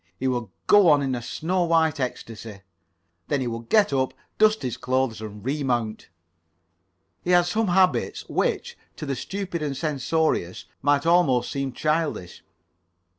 He would go on in a snow white ecstasy. Then he would get up, dust his clothes, and re mount. He had some habits, which, to the stupid and censorious, might almost seem childish.